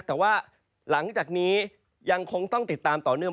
แต่ว่าหลังจากนี้ยังคงต้องติดตามต่อเนื่อง